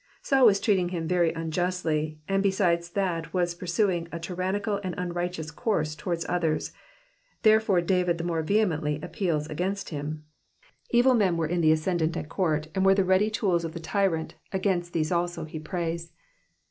^^ Saul was treating him very unjustly, and besides that was pursuing a tyrannical and unrighteous course Digitized by VjOOQIC 76 EXPOSITIONS OF THE PSALMS. towards others, therefore David the more vehemently appeals against him. Evil men were in the ascendant at court, and were the ready tools of the tyrant, against these also he prays.